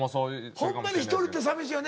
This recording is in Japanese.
ほんまに１人って寂しいよね